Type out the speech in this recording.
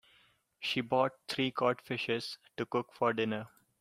She bought three cod fishes to cook for dinner.